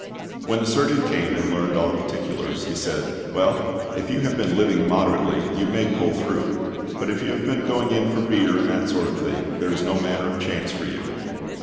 When the surgeon came and learned all the particulars, he said, "Well, if you have been living moderately, you may pull through; but if you have been going in for beer and that sort of thing, there is no manner of chance for you."